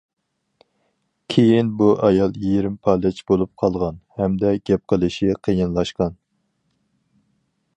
كېيىن بۇ ئايال يېرىم پالەچ بولۇپ قالغان ھەمدە گەپ قىلىشى قىيىنلاشقان.